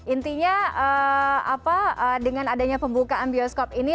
intinya dengan adanya pembukaan bioskop ini